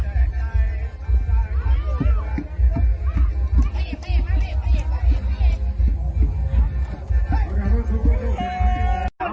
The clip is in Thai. มีอะไรบอกให้ชิ้นใจมาไปบ้านเราก็อบพระยา